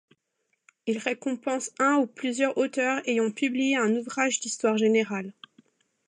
Il récompense un ou plusieurs auteurs ayant publié un ouvrage d’histoire générale.